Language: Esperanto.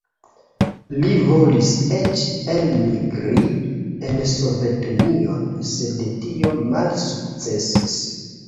Li volis eĉ elmigri en Sovetunion, sed tio malsukcesis.